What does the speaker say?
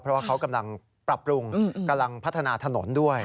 เพราะว่าเขากำลังปรับปรุงกำลังพัฒนาถนนด้วย